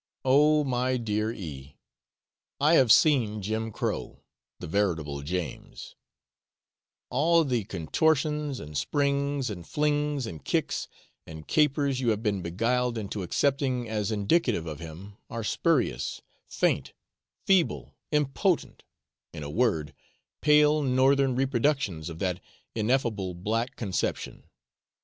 Oh, my dear E ! I have seen Jim Crow the veritable James: all the contortions, and springs, and flings, and kicks, and capers you have been beguiled into accepting as indicative of him are spurious, faint, feeble, impotent in a word, pale northern reproductions of that ineffable black conception.